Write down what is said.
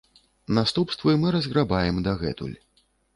Наступствы мы разграбаем дагэтуль.